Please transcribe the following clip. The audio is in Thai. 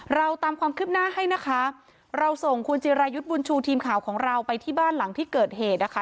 เราตามความคืบหน้าให้นะคะเราส่งคุณจิรายุทธ์บุญชูทีมข่าวของเราไปที่บ้านหลังที่เกิดเหตุนะคะ